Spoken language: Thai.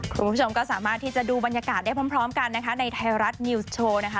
คุณผู้ชมก็สามารถที่จะดูบรรยากาศได้พร้อมกันนะคะในไทยรัฐนิวส์โชว์นะคะ